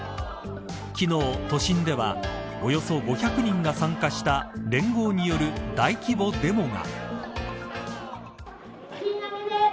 昨日、都心ではおよそ５００人が参加した連合による大規模デモが。